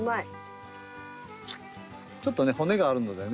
ちょっとね骨があるのでね